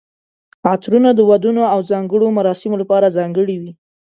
عطرونه د ودونو او ځانګړو مراسمو لپاره ځانګړي وي.